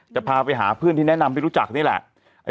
จะพาไปหาเพื่อนที่แนะนำที่รู้จักนี่แหละ